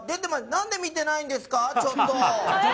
何で見てないんですかちょっと。